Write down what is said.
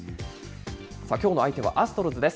きょうの相手はアストロズです。